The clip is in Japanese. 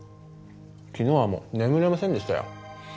昨日はもう眠れませんでしたよ。